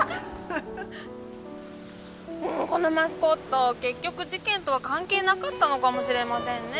このマスコット結局事件とは関係なかったのかもしれませんね。